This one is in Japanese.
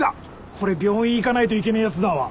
これ病院行かないといけねえやつだわ。